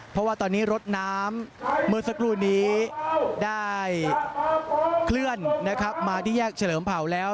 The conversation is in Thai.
เพราะว่าตอนนี้รถน้ำเมื่อสักครู่นี้ได้เคลื่อนนะครับมาที่แยกเฉลิมเผาแล้ว